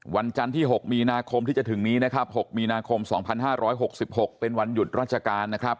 วันจันทร์ที่๖มีนาคมที่จะถึงนี้นะครับ๖มีนาคม๒๕๖๖เป็นวันหยุดราชการนะครับ